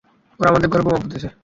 ওরা আমাদের ঘরে বোমা পুঁতেছে।